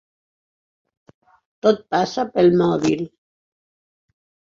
Tot passa pel mòbil.